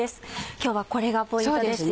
今日はこれがポイントですよね。